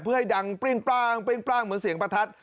เพื่อให้ดังเปรี้ยงปร่างเหมือนเสียงประทัด